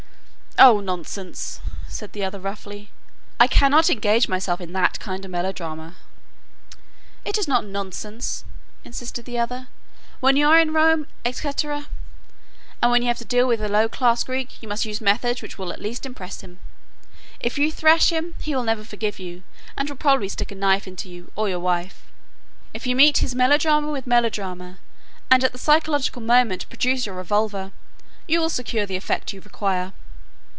"Oh, nonsense," said the other, roughly, "I cannot engage myself in that kind of melodrama." "It is not nonsense," insisted the other, "when you are in Rome, et cetera, and when you have to deal with a low class Greek you must use methods which will at least impress him. If you thrash him, he will never forgive you and will probably stick a knife into you or your wife. If you meet his melodrama with melodrama and at the psychological moment produce your revolver; you will secure the effect you require.